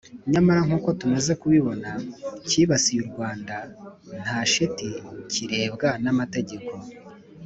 nyamara nkuko tumaze kubibona, cyibasiye u rwanda nta shiti kirebwa n'amategeko